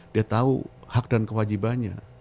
dia tahu hak dan kewajibannya